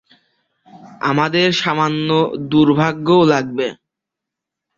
আমাদের সামান্য দুর্ভাগ্যও লাগবে।